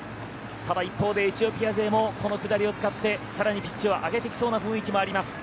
一方でエチオピア勢もこの下り坂を使ってさらにピッチを上げてくる雰囲気もあります。